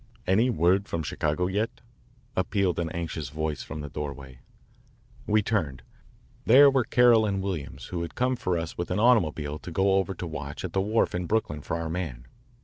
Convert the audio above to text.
"Any word from Chicago yet?" appealed an anxious voice from the doorway. We turned. There were Carroll and Williams who had come for us with an automobile to go over to watch at the wharf in Brooklyn for our man.